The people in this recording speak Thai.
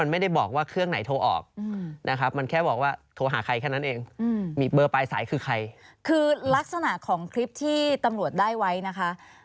นี่คุณคุณภาษณะของคลิปที่ตำรวจได้ไว้นะคะ